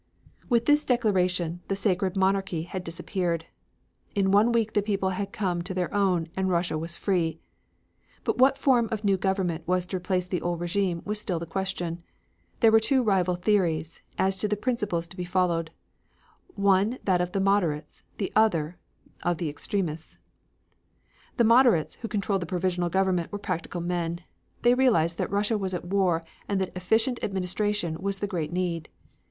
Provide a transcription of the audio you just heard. With this declaration the sacred monarchy had disappeared. In one week the people had come to their own and Russia was free. But what form of new government was to replace the old regime was still the question. There were two rival theories as to the principles to be followed, one that of the Moderates, the other of the Extremists. The Moderates, who controlled the provisional government were practical men. They realized that Russia was at war and that efficient administration was the great need.